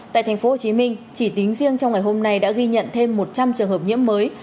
tại tp hcm chỉ tính riêng trong ngày hôm nay đã ghi nhận thêm một trăm linh trường hợp nhiễm mới